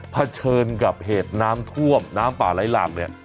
เผชิญกับเหตุน้ำทวมน้ามปลาไลทหร่างเนี่ย